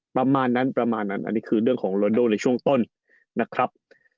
ประมาณนั้นอันนี้คือเรื่องของโรนันโดในช่วงต้นนะครับ